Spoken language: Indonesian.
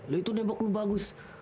lu itu nembak lu bagus